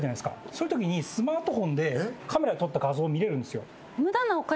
そういうときにスマートフォンでカメラで撮った画像を見れるんですよ。